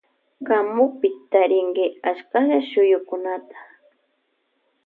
Kamupi tarinki ashtalla shuyukunata.